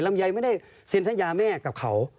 ลำไยไม่ได้เซ็นสัญญาแม่กับเขา